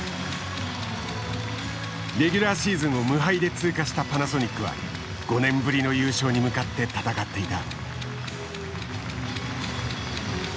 レギュラーシーズンを無敗で通過したパナソニックは５年ぶりの優勝に向かって戦っていた。